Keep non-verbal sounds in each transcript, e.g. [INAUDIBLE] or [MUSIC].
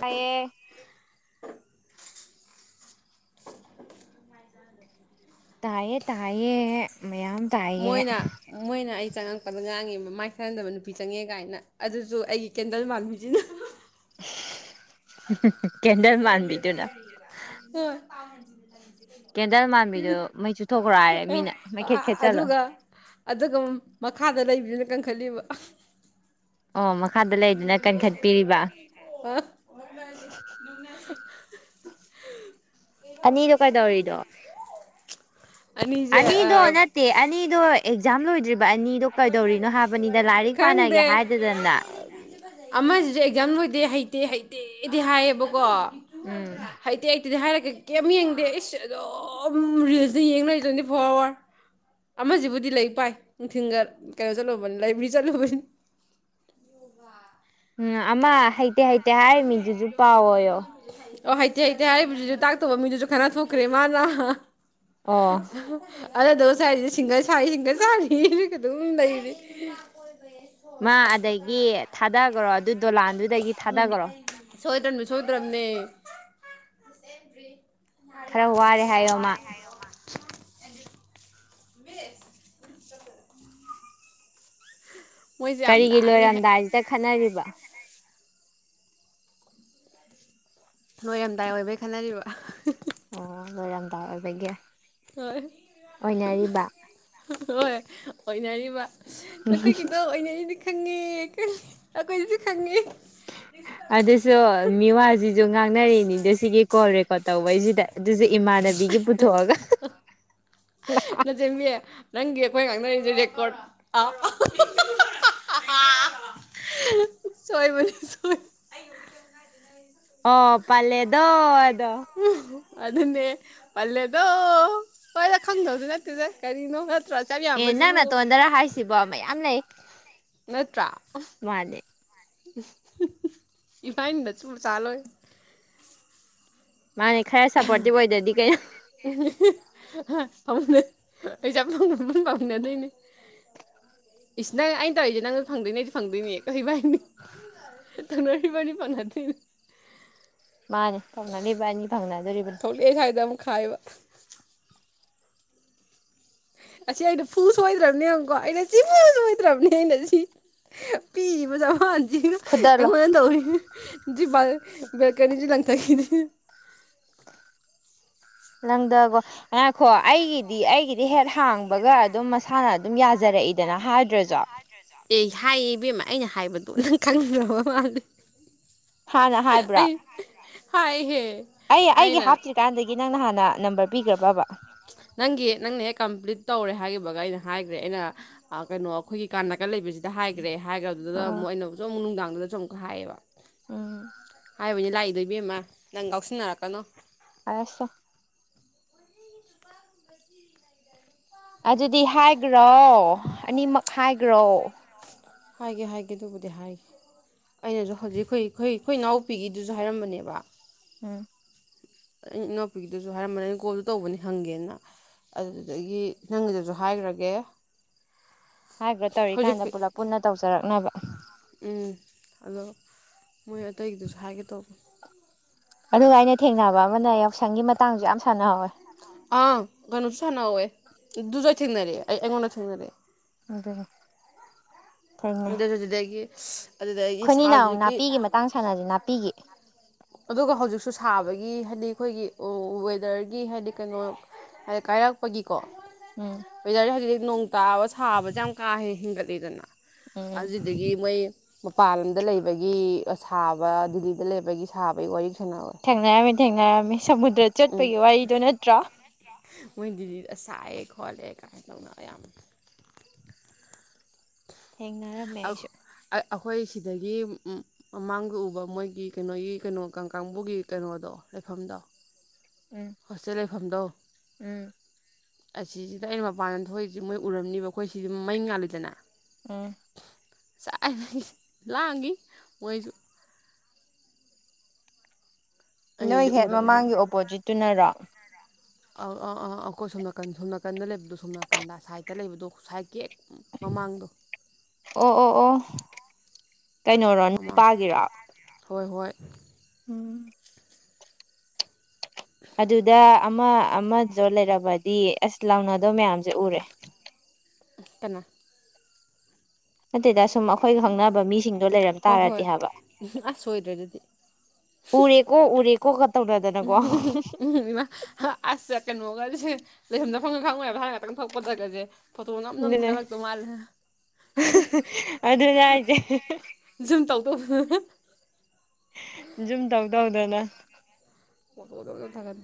ꯇꯌꯦ ꯇꯌꯦ ꯇꯌꯦꯌꯦ ꯃꯣꯏꯅ ꯃꯣꯏꯅ ꯑꯩ ꯆꯪꯉꯛꯄ ꯉꯥꯡꯉꯦꯕ ꯃꯥꯏ ꯊꯍꯟꯗꯕ ꯅꯨꯄꯤ ꯆꯪꯉꯦ ꯀꯥꯏꯅ ꯑꯗꯨꯁꯨ ꯑꯩꯒꯤ ꯀꯦꯟꯗꯜ ꯃꯥꯟꯕꯤꯁꯤꯅ ꯀꯦꯟꯗꯜ ꯃꯥꯟꯕꯤꯗꯨꯅ ꯀꯦꯟꯗꯜ ꯃꯥꯟꯕꯤꯗꯨ ꯃꯩ ꯆꯨꯊꯣꯛꯈ꯭ꯔꯣ ꯍꯥꯏꯔꯦ ꯃꯤꯅ ꯍ ꯃꯩꯈꯦꯠ ꯈꯦꯠꯆꯜꯂꯣ ꯑꯗꯨꯒ ꯑꯗꯨꯒ ꯃꯈꯥꯗ ꯂꯩꯕꯗꯨꯅ ꯀꯪꯈꯠꯜꯂꯤꯕ ꯑꯣ ꯃꯈꯥꯗ ꯂꯩꯗꯨꯅ ꯀꯟꯈꯠꯄꯤꯔꯤꯕ ꯑꯅꯤꯗꯣ ꯀꯩꯗꯧꯔꯤꯗꯣ ꯑꯅꯤꯁꯦ ꯑꯅꯤꯗꯨꯣ ꯅꯠꯇꯦ ꯑꯅꯗꯨꯣ ꯑꯦꯛꯖꯥꯝ ꯂꯣꯏꯗ꯭ꯔꯤꯕ ꯑꯅꯤꯗꯣ ꯀꯩꯗꯧꯔꯤꯅꯣ ꯍꯥꯏꯕ ꯕꯅꯤꯗ ꯂꯥꯏꯔꯤꯛ ꯄꯥꯅꯒꯦ ꯈꯪꯗꯦ ꯍꯥꯏꯗꯗꯅ ꯑꯃꯁꯤꯁꯨ ꯑꯦꯛꯖꯥꯝ ꯂꯣꯏꯗꯦ ꯍꯩꯇꯦ ꯍꯩꯇ ꯑꯩꯗꯤ ꯍꯥꯏꯌꯦꯕꯀꯣ ꯎꯝ ꯀꯤꯗ ꯍꯥꯏꯔꯒ ꯀꯩꯝ ꯌꯦꯡꯗꯦ ꯏꯁ ꯑꯗꯨꯝ ꯔꯤꯜꯁꯁꯦ ꯌꯦꯡ ꯂꯩꯗꯣꯏꯅꯤ ꯇ꯭ꯋꯦꯟꯇꯤ ꯐꯣꯔ ꯑꯋꯥꯔ ꯑꯃꯁꯤꯕꯨꯗꯤ ꯂꯥꯏꯔꯤꯛ ꯄꯥꯏ ꯐꯤꯡꯒꯔ ꯀꯩꯅꯣ ꯆꯠꯂꯨꯕꯅꯤ ꯂꯥꯏꯕ꯭ꯔꯦꯔꯤ ꯆꯠꯂꯨꯕꯅꯤ ꯎꯝ ꯑꯃ ꯍꯩꯇꯦ ꯍꯥꯏ ꯑꯣ ꯍꯩ ꯇꯦ ꯍꯩꯇꯦ ꯍꯥꯏꯔꯤꯕꯁꯤꯁꯨ ꯇꯥꯛꯇꯧꯕ ꯃꯤꯗꯨꯁꯨ ꯈꯠꯅ ꯊꯣꯛꯈ꯭ꯔꯦ ꯃꯥꯅ ꯑꯣ [INAUDIBLE] ꯑꯗꯨꯗꯣ ꯉꯁꯥꯏꯗꯤ ꯁꯤꯡꯒꯜ ꯁꯥꯏ ꯁꯤꯡꯒꯜ ꯁꯥꯔꯤ ꯑꯗꯨꯝ ꯂꯩꯔꯤ ꯃꯥ ꯑꯗꯒꯤ ꯊꯥꯗꯈꯔꯣ ꯑꯗꯨ ꯗꯣꯂꯥꯟꯗꯨꯗꯒꯤ ꯊꯥꯗꯒꯔꯣ ꯁꯣꯏꯗ꯭ꯔꯕꯅꯤ ꯁꯣꯏꯗ꯭ꯔꯕꯅꯦ ꯈꯔ ꯋꯥꯔꯦ ꯍꯥꯏꯌꯣꯃ ꯃꯤꯁ ꯀꯔꯤꯒꯤ ꯂꯥꯡꯉꯦꯍꯦ ꯂꯣꯏꯔꯝꯗꯥꯏꯁꯤꯗ ꯈꯠꯅꯔꯤꯕ ꯂꯣꯏꯔꯝꯗꯥꯏ ꯑꯣꯏꯕꯩ ꯈꯠꯅꯔꯤꯕ ꯑꯣ ꯂꯣꯏꯔꯝꯗꯥꯏ ꯑꯣꯏꯕꯒꯤ ꯍꯣꯏ ꯑꯣꯏꯅꯔꯤꯕ ꯍꯣꯏ ꯑꯣꯏꯅꯔꯤꯕ ꯅꯈꯣꯏꯒꯤꯗꯣ ꯑꯣꯏꯅꯔꯤꯅꯦ ꯈꯪꯉꯦ ꯑꯩꯈꯣꯏꯗꯁꯨ ꯈꯪꯉꯦ ꯑꯗꯨꯁꯨ ꯃꯤꯋꯥꯁꯤꯁꯨ ꯉꯥꯡꯅꯔꯤꯅꯤꯗꯣ ꯁꯤꯒꯤ ꯀꯣꯜ ꯔꯦ ꯇꯧꯕꯩꯁꯤꯗ ꯑꯗꯨꯁꯨ ꯏꯃꯥꯟꯅꯕꯤꯒꯤ ꯄꯨꯊꯣꯛꯑꯒ ꯂꯟꯆꯦꯟꯕꯤ ꯅꯪꯒꯤ ꯑꯩꯈꯣꯏ ꯉꯥꯡꯅꯔꯤ ꯔꯦꯀꯣꯔꯗ ꯑ ꯁꯣꯏꯔꯅꯤ ꯁꯣꯏ ꯑꯣ ꯄꯜꯂꯦꯗꯣ ꯎꯝ ꯑꯗꯨꯅꯦ ꯄꯜꯂꯦꯗꯣ ꯍꯣꯏꯗ ꯈꯪꯗꯧꯖꯨ ꯅꯠꯇꯦꯗ ꯀꯔꯤꯅꯣ ꯅꯠꯇ꯭ꯔ ꯑꯦ ꯅꯪ ꯅꯇꯣꯟꯗꯔ ꯍꯥꯏꯁꯤꯕꯣ ꯃꯌꯥꯝ ꯂꯩ ꯃꯥꯅꯦ ꯏꯕꯥꯏꯅꯤꯗ ꯁꯨꯝ ꯆꯥꯂꯣꯏ ꯃꯥꯅꯦ ꯈꯔ ꯁꯞꯄꯣꯔꯇꯤꯞ ꯑꯣꯏꯗ꯭ꯔꯗꯤ ꯀꯩꯅꯣ ꯄꯩꯁꯥ ꯐꯪꯕ ꯄꯥꯎꯃꯤꯅꯗꯣꯏꯅꯦ ꯏꯁ ꯑꯩꯅ ꯇꯧꯔꯤꯁꯦ ꯅꯪ ꯐꯪꯗꯣꯏꯅꯦꯗꯤ ꯐꯪꯗꯣꯏꯅꯦ ꯀꯩ ꯍꯥꯏ [INAUDIBLE] ꯇꯧꯅꯔꯤ ꯏꯕꯥꯏꯅꯤ ꯐꯪꯅꯗꯣꯏꯅꯤ ꯃꯥꯅꯦ ꯇꯧꯅꯅꯤ ꯏꯕꯥꯅꯤꯅ ꯐꯪꯅꯗꯣꯔꯤꯕꯅꯤ ꯊꯣꯛꯂꯛꯑꯦ ꯁ꯭ꯋꯥꯏꯗ ꯑꯃꯨꯛ ꯈꯥꯏꯕ ꯑꯁꯤ ꯑꯩꯅ ꯐꯨ ꯁꯣꯏꯗ꯭ꯔꯕꯅꯦ ꯌꯦꯡꯉꯨꯀꯣ ꯑꯩꯅ ꯁꯤꯐꯨ ꯁꯣꯏꯗ꯭ꯔꯕꯅꯦ ꯑꯩꯅ ꯁꯤ ꯄꯤꯕ ꯆꯥꯟ ꯐꯨꯗꯠꯂꯣ ꯑꯩꯉꯣꯟꯗ ꯇꯧꯔꯤꯅꯦ ꯀꯅꯤ ꯂꯪꯀ ꯀꯗ ꯅꯪꯗꯀꯣꯈꯣ ꯑꯩꯒꯤꯗꯤ ꯑꯩꯒꯤꯗꯤ ꯍꯦꯛ ꯍꯥꯡꯕꯒ ꯑꯗꯨꯝ ꯃꯁꯥꯅ ꯑꯗꯨꯝ ꯌꯥ ꯐꯖꯔꯛꯏꯗꯅ ꯍꯥꯏꯗ꯭ꯔꯁꯨ ꯑꯦ ꯍꯥꯏꯌꯦ ꯏꯕꯦꯝꯃ ꯑꯩꯅ ꯍꯥꯏꯕꯗꯣ ꯅꯪ ꯈꯪꯗꯕ ꯃꯥꯂ ꯍꯥꯟꯅ ꯍꯥꯏꯕ꯭ꯔꯥ ꯍꯥꯏ ꯍꯦ ꯑꯩ ꯑꯩꯒꯤ ꯍꯥꯞꯇ꯭ꯔꯤꯀꯥꯟꯗꯒꯤ ꯅꯪꯅ ꯍꯥꯟꯅ ꯅꯝꯕꯔ ꯄꯤꯈ꯭ꯔꯕꯕ ꯅꯪꯒꯤ ꯅꯪꯅꯍꯦꯛ ꯀꯝꯄ꯭ꯂꯤꯠ ꯇꯧꯔꯦ ꯍꯥꯏꯈꯤꯕꯒ ꯑꯩꯅ ꯍꯥꯏꯈ꯭ꯔꯦ ꯑꯩꯅ ꯀꯩꯅꯣ ꯑꯩꯈꯣꯏꯒꯤ ꯀꯥꯟ ꯀ ꯂꯩꯕꯁꯤꯗ ꯍꯥꯏꯈ꯭ꯔꯦ ꯍꯥꯏꯈ꯭ꯔꯗꯨꯗ ꯑꯣ ꯑꯃꯨꯛ ꯑ ꯁꯨꯝꯨꯛ ꯅꯨꯡꯗꯥꯡꯗꯨꯗ ꯆꯨ ꯀꯥꯕ ꯎꯝ ꯍꯥꯏꯅꯤ ꯂꯥꯛꯏꯗꯣꯏꯕꯤꯦꯝꯃ ꯅꯪ ꯀꯥꯎꯁꯤꯟꯅꯔꯛꯀꯅꯣ ꯑꯁ ꯑꯗꯨꯗꯤ ꯍꯥꯏꯈ꯭ꯔꯣ ꯑꯅꯤꯃꯛ ꯍꯥꯏꯈ꯭ꯔꯣ ꯍꯥꯏꯒꯦ ꯍꯥꯏꯒꯦ ꯑꯗꯨꯕꯨꯗꯤ ꯍꯥꯏꯒꯦ ꯑꯩꯅꯁꯨ ꯍꯧꯖꯤꯛꯈꯣꯏ ꯑꯩꯈꯣꯏ ꯑꯩꯈꯣꯏ ꯏꯅꯥꯎꯄꯤꯒꯤꯗꯨꯁꯨ ꯍꯥꯏꯔꯝꯕꯅꯦꯕ ꯎꯝ ꯑꯩꯩꯅ ꯏꯅꯥꯎꯄꯤꯒꯤꯗꯨꯁꯨ ꯍꯥꯏꯔꯝꯕꯅꯤ ꯑ ꯀꯣꯜꯗꯣ ꯇꯧꯕꯅꯤ ꯍꯪꯒꯦꯅ ꯑꯗꯨꯗꯒꯤ ꯅꯪꯒꯤꯗꯁꯨ ꯍꯥꯏꯈ꯭ꯔꯒꯦ ꯍꯥꯏꯕ꯭ꯔꯥ ꯍꯧꯖꯤꯛ ꯇꯧꯔꯤꯀꯥꯟꯗ ꯄꯨꯂꯞ ꯄꯨꯟꯅ ꯇꯧꯖꯔꯛꯅꯕ [INAUDIBLE] ꯎꯝ ꯑꯗꯣ ꯃꯣꯏ ꯑꯇꯩꯒꯤꯗꯨꯁꯨ ꯍꯥꯏꯒꯦ ꯇꯧꯕ ꯑꯗꯨꯒ ꯑꯩꯅ ꯊꯦꯡꯅꯕ ꯑꯃꯅ ꯇꯁꯪꯒꯤ ꯃꯇꯥꯡꯁꯨ ꯌꯥꯝ ꯁꯥꯟꯅꯍꯧꯋꯦ ꯗꯨꯖ ꯊꯦꯡꯅꯔꯦ ꯑꯩꯉꯣꯟꯗ ꯊꯦꯡꯅꯔꯦ ꯑꯗ ꯑꯗꯨꯁꯨ ꯑꯗꯨꯗꯒꯤ ꯑꯗꯨꯗꯒꯤ ꯑꯩꯈꯣꯏꯅꯤꯅ ꯑꯃꯨꯛ ꯍꯧꯖꯤꯛꯀꯤ ꯅꯥꯄꯤꯒꯤ ꯃꯇꯥꯡ ꯁꯥꯟꯅꯁꯦ ꯅꯥꯄꯤꯒꯤ ꯑꯗꯨꯒ ꯍꯧꯖꯤꯛꯁꯨ ꯊꯥꯕꯒꯤ ꯍꯥꯏꯗꯤ ꯑꯩꯈꯣꯏꯒꯤ ꯋꯦꯗꯔꯒꯤ ꯍꯥꯏꯗꯤ ꯀꯩꯅꯣ ꯍꯥꯏꯗꯤ ꯀꯥꯏꯔꯛꯄꯒꯤ ꯀꯣ ꯎꯝ ꯑꯣꯏꯖꯔꯦ ꯍꯥꯏꯖꯤꯗꯤ ꯅꯣꯡ ꯇꯥꯕ ꯁꯥꯕꯁꯦ ꯌꯥꯝ ꯀꯥ ꯍꯦ ꯍꯦꯟꯒꯠꯂꯤꯗꯅ ꯎꯝ ꯑꯗꯨꯗꯒꯤ ꯃꯣꯏ ꯃꯄꯥꯟ ꯂꯝꯗ ꯂꯩꯕꯒꯤ ꯁꯥꯕ ꯗꯤꯜꯂꯤꯗ ꯂꯩꯕꯒꯤ ꯁꯥꯕꯒꯤ ꯋꯥꯔꯤ ꯊꯅꯥꯋꯥꯏ ꯇꯦꯡꯉꯔꯝꯃꯤ ꯁꯃꯨꯗ꯭ꯔ ꯆꯠꯄꯒꯤ ꯋꯥꯔꯤꯗꯣ ꯅꯠꯇ꯭ꯔꯥ ꯃꯣꯏ ꯗꯤꯗ ꯁꯥꯏꯑꯦ ꯈꯣꯠꯂꯦ ꯀꯥꯏꯅ ꯇꯧꯅ ꯑꯌꯥꯝꯕ ꯊꯦꯡꯅꯔꯝꯃꯦ ꯑꯩꯁꯨ ꯑꯩꯈꯣꯏ ꯁꯤꯗꯒꯤ ꯃꯃꯥꯡꯗ ꯎꯕ ꯃꯣꯏꯒꯤ ꯀꯩꯅꯣꯒꯤ ꯀꯩꯅꯣ ꯀꯥꯡ ꯀꯥꯡꯕꯨꯒꯤ ꯀꯩꯅꯣꯗꯣ ꯂꯩꯐꯝꯗꯣ ꯎꯝ ꯍꯣꯁꯦꯜꯦ ꯊꯝꯗꯧ ꯎꯝ ꯑꯁꯤꯁꯤꯗ ꯑꯩꯅ ꯃꯄꯥꯟꯗ ꯊꯣꯛꯏꯁꯤ ꯃꯣꯏ ꯎꯔꯝꯅꯤꯕ ꯑꯩꯈꯣꯏ ꯁꯤꯗꯤꯝ ꯃꯩ ꯉꯥꯜꯂꯤꯗꯅ ꯑ ꯆꯥꯛꯅ ꯂꯥꯡꯒꯤ ꯃꯣꯏꯁꯨ ꯅꯣꯏ ꯑꯩꯅꯗꯤ ꯍꯦꯠ ꯎꯗꯕ ꯃꯃꯥꯡꯒꯤ ꯑꯣꯄꯣꯖꯤꯠꯇꯨꯅꯔꯣ ꯑ ꯑꯥ ꯑꯥ ꯑꯥ ꯑꯩꯈꯣꯏ ꯁꯣꯝ ꯅꯥꯀꯟ ꯁꯣꯝ ꯅꯥꯀꯟꯗ ꯂꯩꯕꯗꯣ ꯁꯣꯝ ꯅꯥꯀꯟꯗ ꯁꯥꯏꯗꯠꯇ ꯂꯩꯕꯗꯣ ꯁꯥꯏꯠꯀꯤ ꯍꯦꯛ ꯃꯃꯥꯡꯗꯣ ꯑꯣ ꯑꯣ ꯑꯣ ꯀꯩꯅꯣꯔꯣ ꯃꯃꯥꯡ ꯅꯨꯄꯥꯒꯤꯔꯣ ꯍꯣꯏ ꯍꯣꯏ ꯎꯝ ꯑꯗꯨꯗ ꯑꯃ ꯑꯃꯁꯗ ꯂꯩꯔꯕꯗꯤ ꯑꯁ ꯂꯥꯎꯅꯗꯧ ꯃꯌꯥꯝꯁꯦ ꯎꯔꯦ ꯀ ꯑꯗꯗ ꯁꯨꯝ ꯑꯩꯈꯣꯏꯒ ꯈꯪꯅꯕ ꯃꯤꯁꯤꯡꯗꯣ ꯂꯩꯔꯝ ꯍꯣꯏ ꯇꯥꯔꯗꯤ ꯍꯣꯏ ꯍꯥꯏꯕ ꯑꯁ ꯁꯣꯏꯗ꯭ꯔꯦ ꯑꯗꯨꯗꯤ ꯎꯔꯦꯀꯣ ꯎꯔꯦꯀꯣ ꯀ ꯇꯧꯅꯗꯅꯀꯣ ꯎꯝ ꯏꯃꯥ ꯑꯁ ꯀꯩꯅꯣꯒꯁꯦ ꯂꯩꯁꯝꯗꯐꯝꯪꯒ ꯈꯪꯉ ꯍꯥꯟꯅꯛꯇꯪ ꯊꯣꯛꯄ ꯆꯒꯁꯦ ꯐꯣꯇꯣ ꯅꯝ ꯅꯝ ꯑꯗꯨꯅꯦ ꯊꯥꯡꯒꯠꯂꯛꯇꯧ ꯃꯥꯜꯂꯦ ꯑꯗꯨ ꯌꯥꯏꯖꯦ ꯍ ꯁꯨꯝ ꯇꯧ ꯇꯧꯗꯅ ꯃꯠꯇ ꯃꯗ ꯊꯅꯤ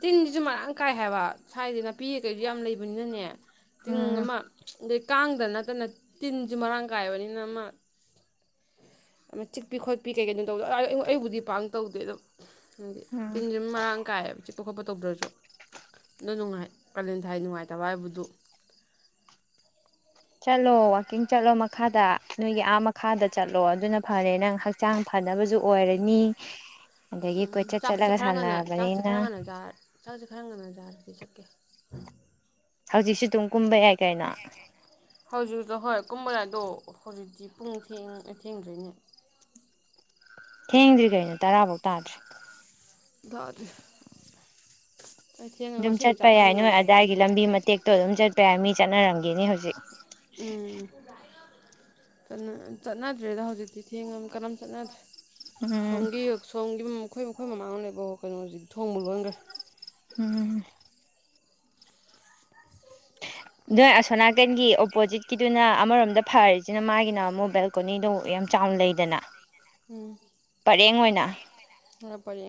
ꯇꯤꯟꯁꯤꯁꯨ ꯃꯔꯥꯡ ꯀꯥꯏ ꯍꯥꯏꯕ ꯁ꯭ꯋꯥꯏꯗꯤ ꯅꯥꯄꯤ ꯀꯩꯁꯨ ꯌꯥꯝ ꯂꯩꯕꯅꯤꯅꯅꯦ ꯇꯤꯡ ꯎꯝ ꯑꯃ ꯀꯥꯡꯗ ꯅꯠꯇꯅ ꯇꯤꯟꯁꯨ ꯃꯔꯥꯡ ꯀꯥꯏꯕꯅꯤꯅ ꯑꯃ ꯑꯃ ꯆꯤꯛꯄꯤ ꯈꯣꯠꯄꯤ ꯀꯩ ꯀꯩꯅꯣ ꯇꯧꯗꯦ ꯑꯩꯕꯨꯗꯤ ꯄꯥꯡ ꯇꯧꯗꯦ ꯑꯗꯨꯣ ꯈꯪꯗꯦ ꯎꯝ ꯇꯤꯟꯖꯨꯝ ꯃꯔꯥꯡ ꯀꯥꯏꯑꯕ ꯆꯤꯛꯄ ꯈꯣꯠꯄ ꯇꯧꯗ꯭ꯔꯁꯨ ꯅꯨꯡꯉꯥꯏ ꯀꯥꯂꯦꯟ ꯊꯥꯏ ꯅꯨꯡꯉꯥꯏꯇꯕ ꯍꯥꯏꯕꯗꯨ ꯆꯠꯂꯣ ꯋꯥꯋꯥꯛꯀꯤꯡ ꯆꯠꯂꯣ ꯃꯈꯥꯗ ꯅꯣꯏꯒꯤ ꯑꯥ ꯃꯈꯥꯗ ꯆꯠꯂꯣ ꯑꯗꯨꯅ ꯐꯔꯦ ꯅꯪ ꯍꯛꯆꯥꯡ ꯐꯅꯕꯁꯨ ꯑꯣꯏꯔꯅꯤ ꯑꯗꯒꯤ ꯀꯣꯏꯆꯠ ꯆꯥꯛꯁꯦ ꯆꯠꯂꯒ ꯈꯔ ꯉꯟꯅ ꯆꯥꯛꯁꯦ ꯈꯔ ꯁꯥꯟꯅꯔꯕꯅꯤꯅ ꯉꯟꯅ ꯆꯥꯛꯁꯦ ꯈꯔ ꯉꯟꯅ ꯖꯥꯔꯦ ꯁꯀꯦ ꯍꯧꯖꯤꯛꯁꯨ ꯑꯗꯨꯝ ꯀꯨꯝꯕ ꯌꯥꯏ ꯀꯥꯏꯩꯅꯣ ꯍꯧꯖꯤꯛꯣ ꯍꯣꯏ ꯀꯨꯝꯕꯗꯥꯏꯗꯣ ꯍꯧꯖꯤꯛꯇꯤ ꯄꯨꯡ ꯊꯦꯡꯗꯔꯤꯅꯦ ꯊꯦꯡꯗ꯭ꯔꯤ ꯀꯩꯅꯣ ꯇꯔꯥꯐꯧ ꯇꯥꯗ꯭ꯔꯥ ꯇꯥꯗꯔꯤ ꯑꯗꯨꯝ ꯆꯠꯄ ꯌꯥꯏ ꯅꯣꯏ ꯑꯗꯥꯏꯒꯤ ꯂꯝꯕꯤ ꯃꯇꯦꯛꯇꯣ ꯑꯗꯨꯝ ꯆꯠꯄ ꯌꯥꯏ ꯃꯤ ꯆꯠꯅꯔꯝꯒꯦꯅꯤ ꯍꯧꯖꯤꯛ ꯎꯝ ꯆꯠꯅꯗ꯭ꯔꯦꯗ ꯍꯧꯖꯤꯛꯇꯤ ꯊꯦꯡꯉ ꯃꯤꯅꯥ ꯀꯥꯅꯥꯝ ꯠꯅꯗ꯭ꯔꯦ ꯎꯝ ꯁꯣꯝꯒꯤ ꯁꯣꯝꯒꯤ ꯑꯩꯈꯣꯏ ꯃꯈꯣꯏ ꯃꯥꯡꯅ ꯂꯩ ꯑꯣ ꯀꯩꯅꯣ ꯍꯧꯖꯤꯛ ꯊꯣꯡꯕ ꯂꯣꯏꯈ꯭ꯔꯦ ꯎꯝ ꯅꯣꯏ ꯑꯁꯣꯅꯥꯀꯟꯒꯤ ꯑꯣꯄꯣꯖꯤꯠꯀꯤꯗꯨꯅ ꯑꯃꯔꯣꯝꯗ ꯐꯔꯤꯁꯤꯅ ꯃꯥꯒꯤꯅ ꯃꯣꯕꯦꯜ ꯀꯣꯅꯤꯗꯣ ꯌꯥꯝ ꯆꯥꯎꯅ ꯂꯩꯗꯅ ꯎꯝ ꯄꯔꯦꯡ ꯑꯣꯏꯅ ꯄꯔꯦꯡ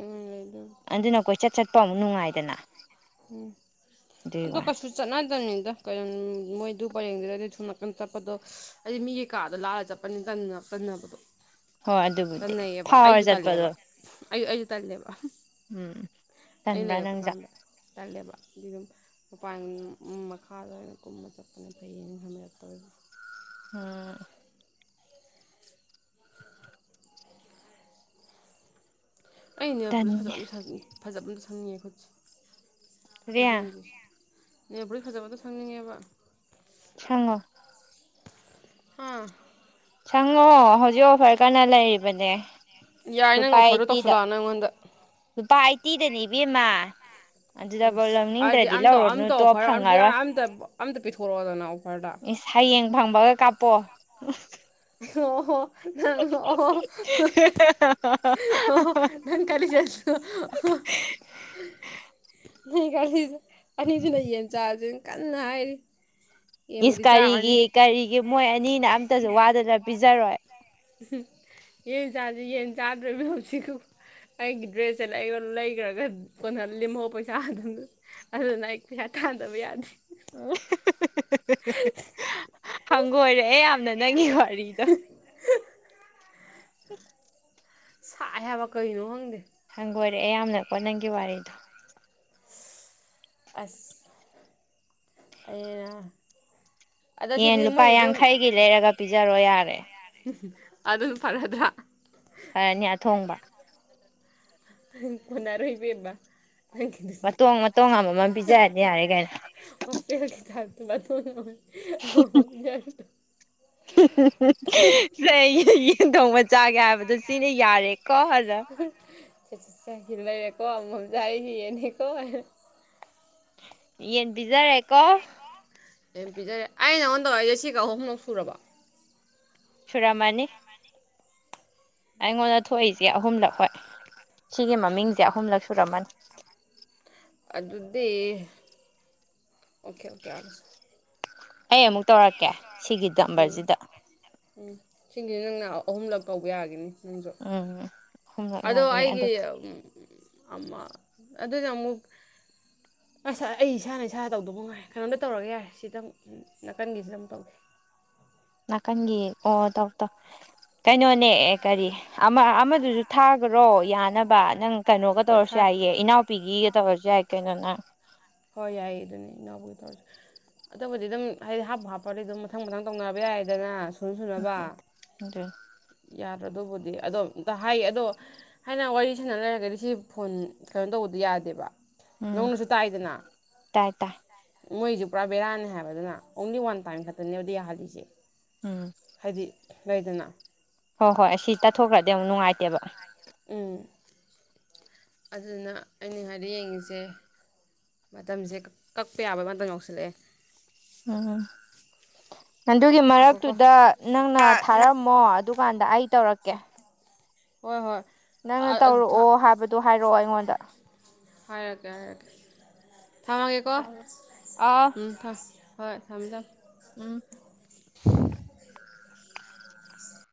ꯑꯣꯏꯅ ꯂꯩꯗꯣꯏ ꯄꯥꯎ ꯅꯨꯡꯉꯥꯏꯗꯅ ꯎꯝ ꯑꯗꯨꯒꯤ ꯑꯗꯨꯗ ꯋꯥꯅꯤ ꯀꯁꯨꯁꯨ ꯆꯠꯅꯥꯗꯅꯤ ꯀꯩꯅꯣ ꯃꯣꯏꯗꯨ ꯄꯔꯦꯡꯗꯨꯗꯗꯤ ꯁꯨꯝ ꯅꯥꯀꯟ ꯆꯠꯄꯗꯣ ꯍꯥꯏꯗꯤ ꯃꯤꯒꯤꯩ ꯀꯥꯗꯣ ꯂꯥꯂꯒ ꯆꯠꯄꯅꯤ ꯇꯟꯅꯕꯗꯣ ꯍꯣꯏ ꯑꯗꯨꯕꯨꯗꯤ ꯐꯥꯎꯔ ꯆꯠꯄꯗꯣ ꯑꯩꯌꯨ ꯑꯩꯌꯨ ꯇꯜꯂꯦ ꯎꯝ ꯇꯟꯕ꯭ꯔꯥ ꯅꯪꯖꯨ ꯈꯜꯂꯦꯕ ꯑꯗꯨ ꯑꯗꯨꯝ ꯃꯄꯥꯟ ꯃꯈꯥꯗ ꯑꯣꯏꯅ ꯀꯨꯝꯃ ꯆꯠꯄꯅ ꯐꯩꯌꯦꯅ ꯈꯝꯕꯤꯔꯛꯇꯧꯋꯕ ꯑꯝ ꯑꯩꯅꯦ ꯄꯨꯂꯤꯁ ꯇꯟꯅꯦ ꯐꯖꯕꯛꯅꯤ ꯐꯖꯕ ꯑꯃꯅꯤꯅꯤ ꯀ ꯔꯤꯌꯥ ꯈꯨꯖꯟꯗꯤ ꯌꯥꯕꯔ ꯐꯖꯕ ꯑꯗꯨꯣ ꯊꯪꯅꯤꯡꯉꯦꯕ ꯈꯉꯣ ꯍꯥꯥ ꯁꯉꯣ ꯍꯧꯖꯤꯛꯣ ꯐꯥꯏ ꯀꯟꯅ ꯂꯩꯔꯤꯕꯅꯦ ꯌꯥꯏ ꯅꯪ ꯂꯨꯄꯥ ꯑꯣꯐꯔꯗꯣ ꯑꯠꯇꯤꯗ ꯇꯧꯁꯤꯜꯂꯛꯑꯅꯨ ꯑꯩꯉꯣꯟꯗ ꯂꯨꯄꯥ ꯑꯩꯠꯇꯤꯗꯅꯦꯕꯤꯦꯝꯃ ꯑꯗꯨꯗꯐꯧ ꯏꯁ ꯑꯗꯨꯗꯤ ꯂꯧꯅꯤꯡꯗ꯭ꯔꯗꯤ ꯑꯝꯇ ꯂꯧꯔꯅꯨ ꯇꯣ ꯐꯪꯉꯔꯣꯏ ꯁꯣꯔꯣꯖꯅꯥꯎ ꯁꯌꯦꯡ ꯐꯪꯕꯒ ꯀꯥꯄꯣ ꯍ ꯍꯣ ꯅꯪ ꯅꯪ ꯀ ꯆ ꯍ ꯀꯦ ꯑꯅꯤꯁꯤꯅ ꯌꯦꯟ ꯆꯥꯖ ꯀꯅꯥꯏꯜ ꯏꯁ ꯀꯔꯤꯒꯤ ꯀꯔꯤꯒꯤ ꯃꯣꯏ ꯑꯅꯤꯅ ꯑꯝꯇꯁꯨ ꯋꯥꯗꯅ ꯄꯤꯖꯔꯣꯏ ꯌꯦꯟ ꯆꯁꯤ ꯌꯦꯟ ꯆꯥꯗ꯭ꯔ ꯃꯤ ꯍꯧꯁꯤꯀ ꯑꯩꯒꯤ ꯗ꯭ꯔꯦꯁꯁꯦ ꯂꯩꯈ꯭ꯔꯒ ꯀꯣꯟꯍꯜꯂꯤꯝꯃꯣ ꯄꯩꯁꯥ ꯑꯗꯨꯗꯨ ꯑꯗꯨꯅ ꯑꯩ ꯄꯩꯁꯥ ꯇꯥꯗꯕ ꯌꯥꯗꯦ ꯍꯪꯒꯣꯏꯔꯛꯑꯦ ꯌꯥꯝ ꯅꯪꯒꯤ ꯋꯥꯔꯤꯗ [INAUDIBLE] ꯁꯥꯏ ꯍꯥꯏꯕ ꯀꯩꯅꯣ ꯈꯪꯗꯦ ꯍꯪꯒꯣꯏꯔꯦꯌꯥꯝꯅꯀꯣ ꯅꯪꯒꯤ ꯋꯥꯔꯤꯗꯣ ꯑꯁ ꯑꯩꯩꯅ ꯑꯦꯡ ꯂꯨꯄꯥ ꯌꯥꯡꯈꯩꯒꯤ ꯂꯩꯔꯒ ꯄꯤꯖꯔꯣ ꯌꯥꯔꯦ ꯑꯗꯨꯝ ꯐꯔꯗ꯭ꯔꯥ ꯐꯔꯅꯤ ꯑ ꯊꯣꯡꯕ ꯐꯣꯟꯔꯣꯏꯕꯕ ꯃꯇꯣꯡ ꯃꯇꯣꯡ ꯑꯃꯃꯝ ꯄꯤꯖꯔꯅꯤ ꯌꯥꯔꯦ ꯀꯩꯅꯣ ꯀ ꯑ ꯌꯥ ꯁꯩ ꯊ ꯃꯖꯥꯒꯦ ꯗꯁꯤꯅꯦ ꯌꯥꯔꯦ ꯑ ꯆꯠꯆꯤꯠ ꯆ ꯍ ꯂꯩꯔꯦꯀꯣ ꯃꯝꯖꯥꯏ ꯌꯦꯅꯦꯀꯣ ꯍꯥꯏ ꯌꯦꯟ ꯄꯤꯖꯔꯦꯀꯣ ꯌꯥꯝ ꯄꯤꯖꯔꯦ ꯑꯩ ꯅꯉꯣꯟ ꯇꯧꯔꯛꯏꯁꯦ ꯁꯤꯒ ꯑꯍꯨꯝꯂꯨꯛ ꯁꯨꯔꯕ ꯁꯨꯔꯃꯅꯤ ꯑꯩꯉꯣꯟꯗ ꯊꯣꯛꯏꯁꯦ ꯑꯍꯨꯝꯂꯛ ꯍꯣꯏ ꯁꯤꯒꯤ ꯃꯃꯤꯡꯁꯦ ꯑꯍꯨꯝꯂꯛ ꯁꯨꯔꯝꯃꯅꯤ ꯑꯗꯨ ꯑꯗꯨꯗꯤ ꯑꯣꯀꯦ ꯑꯣꯀꯦ ꯑꯩ ꯑꯃꯨꯛ ꯇꯧꯔꯛꯀꯦ ꯁꯤꯒꯤ ꯎꯝ ꯗꯝꯕꯔꯁꯤꯗ ꯎꯝ ꯁꯤꯡꯁꯤꯁꯨ ꯅꯪꯅ ꯑꯍꯨꯝꯂꯛ ꯇꯧꯕ ꯌꯥꯒꯅꯤ ꯎ ꯑꯗꯣ ꯑꯩꯒꯤ ꯑꯃ ꯑꯗꯨꯅ ꯑꯃꯨꯛ ꯑꯁ ꯑꯩ ꯏꯁꯥꯅ ꯏꯁꯥꯗ ꯇꯧꯗꯧꯕ ꯉꯥꯏ ꯀꯩꯅꯣꯝꯇ ꯇꯧꯔꯒ ꯌꯥꯔꯦ ꯁꯤꯗꯪ ꯅꯥꯀꯟꯒꯤꯁꯤꯗ ꯑꯃꯨꯛ ꯇꯧꯒꯦ ꯅꯥꯀꯟꯒꯤ ꯑꯣ ꯇꯧ ꯇꯧ ꯀꯩꯅꯣꯅꯦ ꯀꯔꯤ ꯑꯃ ꯑꯃꯗꯨꯁꯨ ꯍꯥꯏ꯭ꯔꯣ ꯌꯥꯅꯕ ꯅꯪ ꯀꯩꯅꯣꯒ ꯇꯧꯔꯁꯨ ꯄꯣꯊꯥꯒꯦ ꯌꯥꯏꯌꯦ ꯏꯅꯥꯎꯄꯤꯒꯤꯒ ꯇꯧꯔꯁꯨ ꯌꯥꯏ ꯀꯩꯅꯅ ꯍꯣꯏ ꯌꯥꯏ ꯑꯗꯨꯅꯦ ꯏꯅꯥꯎꯕꯨꯒꯤ ꯇꯧꯔꯁꯦ ꯑꯗꯨꯇꯕꯨꯗꯤ ꯑꯗꯨꯝ ꯍꯥꯏꯗꯤ ꯍꯥꯞꯄ ꯍꯥꯞꯄꯗꯤ ꯑꯗꯨꯝ ꯃꯊꯪ ꯃꯊꯪ ꯇꯧꯅꯕ ꯌꯥꯏꯗꯅ ꯁꯨ ꯁꯨꯅꯕ ꯑꯗꯨ ꯑꯗꯨꯕꯨꯗꯤ ꯑꯗꯣ ꯑꯝꯇ ꯍꯥꯏꯌꯦ ꯑꯗꯣ ꯍꯥꯏꯅ ꯋꯥꯔꯤ ꯁꯥꯟꯅ ꯂꯩꯔꯒꯗꯤ ꯁꯤ ꯐꯣꯟ ꯀꯩꯅꯣ ꯇꯧꯕꯗꯤ ꯌꯥꯗꯦꯕ ꯅꯧꯅꯁꯨ ꯇꯥꯏꯗꯅ ꯇꯔꯇ ꯃꯣꯏꯁꯨ ꯄꯨꯔꯥ ꯕꯦꯔꯥꯅꯦ ꯍꯥꯏꯕ ꯑꯗꯨꯅ ꯑꯣꯡꯂꯤ ꯋꯥꯟ ꯇꯥꯏꯝ ꯈꯛꯇꯅꯦꯕꯗꯤ ꯌꯥꯍꯜꯂꯤꯁꯦ ꯎꯝ ꯍꯥꯏꯗꯤ ꯂꯩꯗꯅ ꯍꯣꯏ ꯍꯣꯏ ꯑꯁꯤ ꯇꯥꯊꯣꯛꯈ꯭ꯔꯗꯤ ꯑꯃꯨꯛ ꯅꯨꯡꯉꯥꯏꯇꯦꯕ ꯎꯝ ꯑꯗꯨꯗꯨꯅ ꯑꯩꯅ ꯍꯥꯏꯗꯤ ꯌꯦꯡꯉꯤꯁꯦ ꯃꯇꯝꯁꯦ ꯀꯛꯄ ꯌꯥꯕ ꯃꯇꯝꯇꯪ ꯌꯥꯧꯁꯤꯜꯂꯛꯑꯦ ꯎꯝ ꯑꯗꯨꯒꯤ ꯉꯈꯣꯀꯣ ꯃꯔꯛꯇꯨꯗ ꯅꯪꯅ ꯊꯥꯔꯝꯃꯣ ꯑꯗꯨꯀꯥꯟꯗ ꯑꯩ ꯇꯧꯔꯛꯀꯦ ꯍꯣꯏ ꯍꯣꯏ ꯅꯪꯅ ꯇꯧꯔꯛꯑꯣ ꯍꯥꯏꯕꯗꯨꯣ ꯍꯥꯏꯔ ꯣ ꯑꯩꯉꯣꯗ ꯍꯥꯏꯔꯛꯀꯦ ꯍꯥꯏꯔꯛꯀꯦ ꯊꯥꯃꯒꯦꯀꯣ ꯑꯥ ꯎꯝ ꯊꯥꯎ ꯍꯣꯏ ꯊꯝꯃꯦꯖꯝ ꯎꯝ